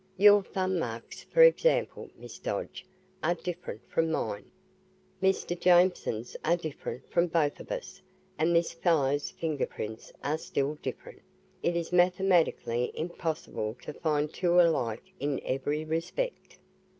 "Your thumb marks, for example, Miss Dodge, are different from mine. Mr. Jameson's are different from both of us. And this fellow's finger prints are still different. It is mathematically impossible to find two alike in every respect."